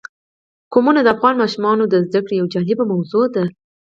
قومونه د افغان ماشومانو د زده کړې یوه جالبه موضوع ده.